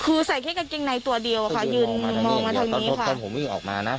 คือใส่แค่กางเกงในตัวเดียวค่ะยืนมองมาแบบนี้ค่ะ